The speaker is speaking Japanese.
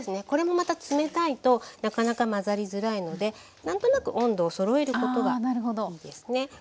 これもまた冷たいとなかなか混ざりづらいのでなんとなく温度をそろえることがいいですね。